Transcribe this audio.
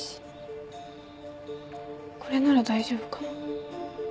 これなら大丈夫かな？